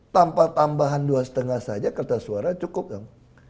tanpa tambahan dua lima saja kertas suara cukup dong